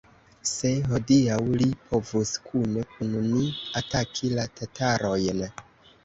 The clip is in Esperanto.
se hodiaŭ li povus kune kun ni ataki la tatarojn!